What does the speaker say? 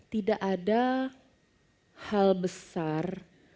tidak ada hal besar